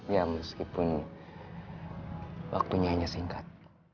ya meskipun waktunya hanya singkat